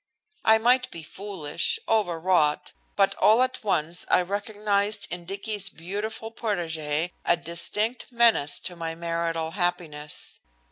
I might be foolish, overwrought, but all at once I recognized in Dicky's beautiful protégé a distinct menace to my marital happiness.